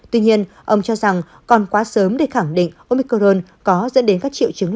tuy nhiên ông cho rằng còn quá sớm để khẳng định omicron có dẫn đến các triệu chứng